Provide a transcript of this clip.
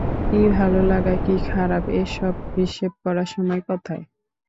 কী ভালো লাগা, কী খারাপ এ সব হিসেব করার সময় কোথায়?